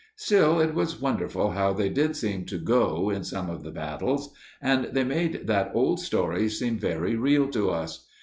Still, it was wonderful how they did seem to "go" in some of the battles, and they made that old story seem very real to us.